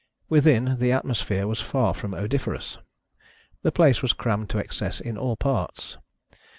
Withiu, the atmosphere was far from odoriferous. The place was crammed to excess in all parts.